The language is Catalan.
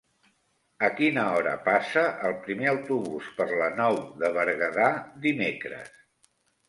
A quina hora passa el primer autobús per la Nou de Berguedà dimecres?